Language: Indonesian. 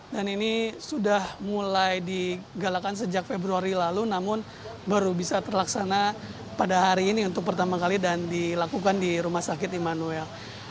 dan ini sudah mulai digalakan sejak februari lalu namun baru bisa terlaksana pada hari ini untuk pertama kali dan dilakukan di rumah sakit immanuel